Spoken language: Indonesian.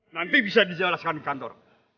nanti bisa dijelaskan kantor